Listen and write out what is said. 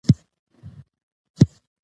چای د لور له خوا راوړل شو.